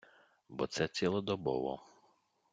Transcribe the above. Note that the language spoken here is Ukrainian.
Бо це цілодобово.